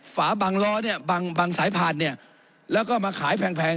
ฝาบังลอเนี่ยบังบังสายพาดเนี่ยแล้วก็มาขายแผงแผง